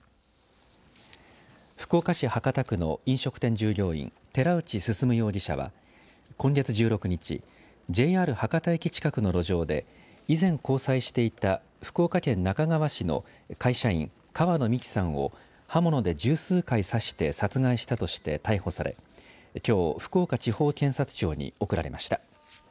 福岡市博多区の飲食店従業員寺内進容疑者は今月１６日ＪＲ博多駅近くの路上で以前、交際していた福岡県那賀川市の会社員川野美樹さんを刃物で十数回刺して殺害したとして逮捕され、きょう福岡地方検察庁に送られました。